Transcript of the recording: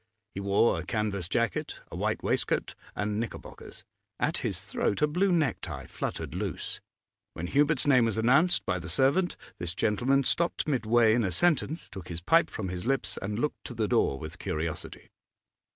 He wore a canvas jacket, a white waistcoat and knickerbockers; at his throat a blue necktie fluttered loose. When Hubert's name was announced by the servant, this gentleman stopped midway in a sentence, took his pipe from his lips, and looked to the door with curiosity.